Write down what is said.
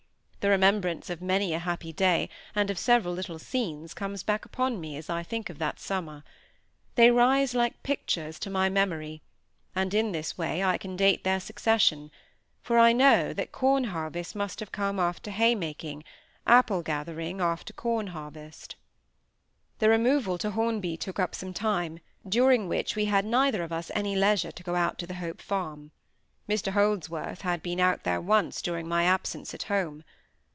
The remembrance of many a happy day, and of several little scenes, comes back upon me as I think of that summer. They rise like pictures to my memory, and in this way I can date their succession; for I know that corn harvest must have come after hay making, apple gathering after corn harvest. The removal to Hornby took up some time, during which we had neither of us any leisure to go out to the Hope Farm. Mr Holdsworth had been out there once during my absence at home.